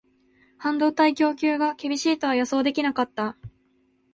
半導体供給が厳しいとは予想できなかった